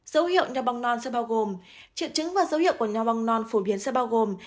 dấu hiệu nho bong non sẽ bao gồm triệu chứng và dấu hiệu của nho bong non phổ biến sẽ bao gồm